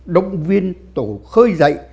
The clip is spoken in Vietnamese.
động viên tổ khơi dậy